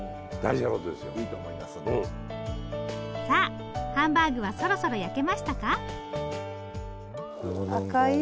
さあハンバーグはそろそろ焼けましたか？